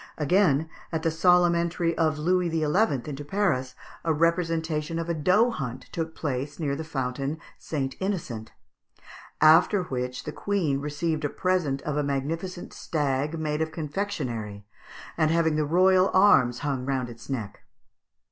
Again, at the solemn entry of Louis XI. into Paris, a representation of a doe hunt took place near the fountain St. Innocent; "after which the queen received a present of a magnificent stag, made of confectionery, and having the royal arms hung round its neck."